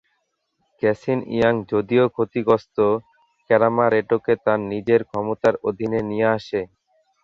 Casein Young, যদিও ক্ষতিগ্রস্ত, কেরামা রেটোকে তার নিজের ক্ষমতার অধীনে নিয়ে আসে।